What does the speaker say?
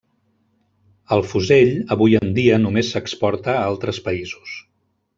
El fusell avui en dia només s’exporta a altres països.